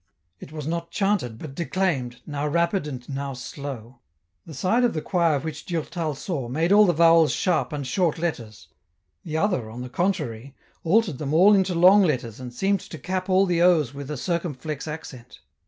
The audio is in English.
It was not chanted but declaimed, now rapid and now slow. The side of the choir which Durtal saw made all the vowels sharp and short letters ; the other, on the contrary, altered them all into long letters and seemed to cap all the Os with a circumflex accent.